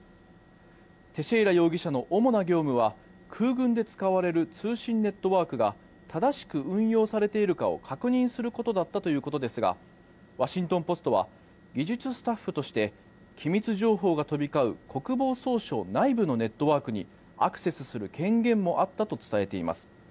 テシェイラ容疑者の主な業務は空軍で使われる通信ネットワークが正しく運用されているかを確認することだったということですがワシントン・ポストは技術スタッフとして機密情報が飛び交う国防総省内部のネットワークにアクセスする権限もあったと伝えています。